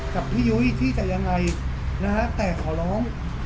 กับพี่ยุ้ยที่จะยังไงนะฮะแต่ขอร้อง